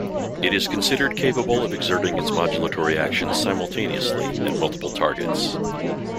It is considered capable of exerting its modulatory actions simultaneously at multiple targets.